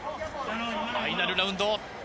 ファイナルラウンド。